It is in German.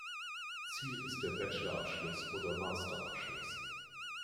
Ziel ist der Bachelor Abschluss oder Master Abschluss.